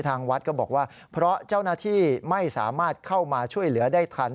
ทางวัดก็บอกว่าเพราะเจ้าหน้าที่ไม่สามารถเข้ามาช่วยเหลือได้ทัน